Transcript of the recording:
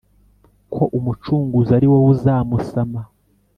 ko umucunguzi ari wowe uzamusama